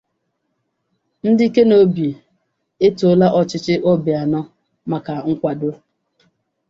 Ndị Ikedịnobi Etoola Ọchịchị Obianọ Maka Nkwàdó